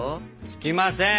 つきません！